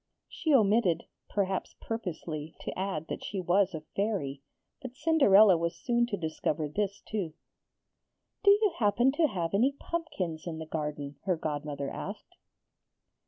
She omitted, perhaps purposely, to add that she was a Fairy; but Cinderella was soon to discover this too. 'Do you happen to have any pumpkins in the garden?' her godmother asked.